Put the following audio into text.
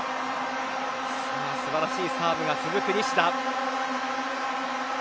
素晴らしいサーブが続く西田。